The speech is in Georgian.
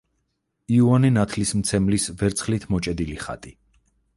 იოანე ნათლისმცემლის ვერცხლით მოჭედილი ხატი.